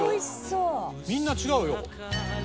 みんな違うよ。